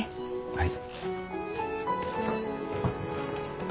はい。